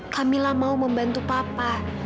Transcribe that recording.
kamila mau membantu papa